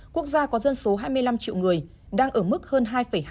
quốc gia có dân số hai mươi năm triệu người đang ở mức hơn hai hai mươi bốn